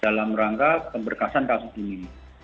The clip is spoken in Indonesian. dalam rangka pemberkasan kasus ini